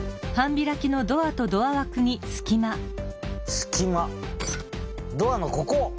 すきまドアのここ！